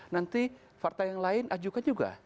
nanti partai yang lain ajukan juga